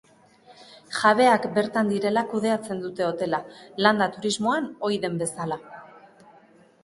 Jabeak bertan direla kudeatzen dute hotela, landa-turismoan ohi den bezala.